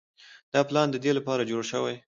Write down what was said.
دا پلان د دې لپاره جوړ شوی.